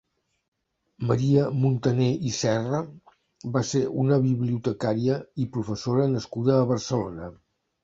Maria Montaner i Serra va ser una bibiotecària i professora nascuda a Barcelona.